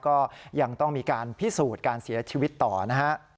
ก็ยังต้องมีการพิสูจน์การเสียชีวิตต่อนะฮะ